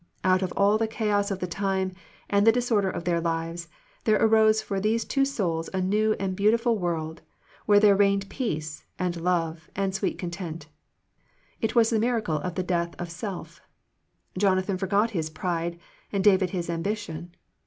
Out of all the chaos of the time and the disorder of their lives, there arose for these two souls a new and beautiful world, where there reigned peace, and love, and sweet con tent. It was the miracle of the death of self. Jonathan forgot his pride, and David his ambition.